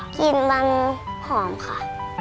กินมันขอมค่ะ